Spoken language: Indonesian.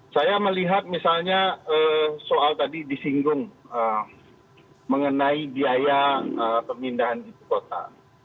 saya melihat misalnya soal tadi disinggung mengenai biaya pemindahan ibu kota